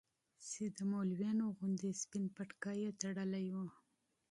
چې د مولويانو په شان يې سپين دستار تړلى و.